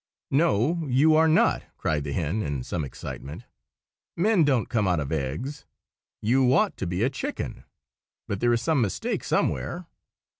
"No, you are not!" cried the hen, in some excitement. "Men don't come out of eggs. You ought to be a chicken, but there is some mistake somewhere.